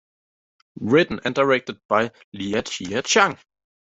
Written and directed by Liu Chia Chang.